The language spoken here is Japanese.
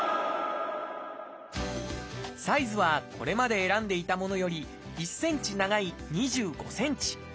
サイズはこれまで選んでいたものより１センチ長い２５センチ。